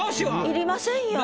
要りませんよ。